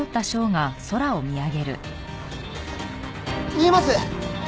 見えます！